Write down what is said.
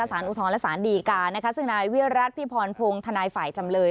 ศาลอุทธรณ์และศาลดีการซึ่งนายวิรัตน์พี่พรผงธนายฝ่ายจำเลย